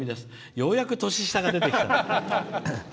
ようやく年下が出てきた。